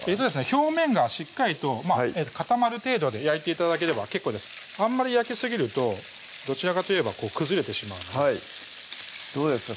表面がしっかりと固まる程度で焼いて頂ければ結構ですあんまり焼きすぎるとどちらかといえば崩れてしまうどうですか？